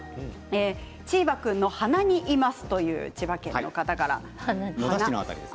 チーバくんの鼻にいますという方からです。